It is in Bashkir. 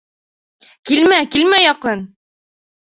Килмә, килмә яҡын!